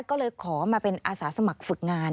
ก็เลยขอมาเป็นอาสาสมัครฝึกงาน